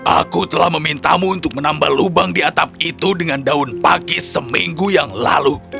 aku telah memintamu untuk menambah lubang di atap itu dengan daun pakis seminggu yang lalu